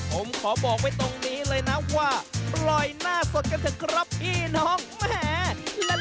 ผมขอบอกไว้ตรงนี้เลยนะว่าปล่อยหน้าสดกันเถอะครับพี่น้องแหม